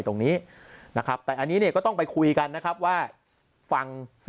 ตรงนี้นะครับแต่อันนี้เนี่ยก็ต้องไปคุยกันนะครับว่าฟัง